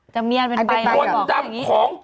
จะเมียดเป็นไบลูกแบบบอกอย่างงี้